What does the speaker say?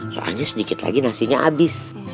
soalnya sedikit lagi nasinya habis